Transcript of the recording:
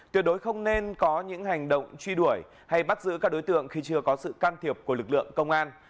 tuyệt đối không nên có những hành động truy đuổi hay bắt giữ các đối tượng khi chưa có sự can thiệp của lực lượng công an